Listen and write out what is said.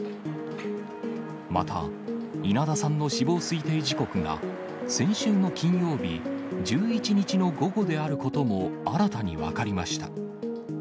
また、稲田さんの死亡推定時刻が先週の金曜日１１日の午後であることも、新たに分かりました。